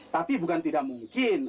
tapi bukan tidak mungkin